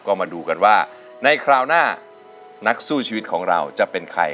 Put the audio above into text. ก็มาดูกันว่าในคราวหน้านักสู้ชีวิตของเราจะเป็นใคร